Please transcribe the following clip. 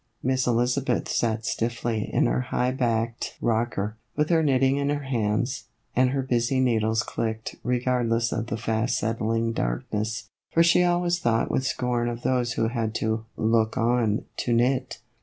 Miss Elizabeth sat stiffly in her high backed rocker, with her knitting in her hands, and her busy needles clicked regardless of the fast settling darkness, for she always thought with scorn of those who had to " look on " to knit.